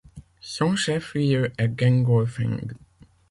Son chef lieu est Dingolfing.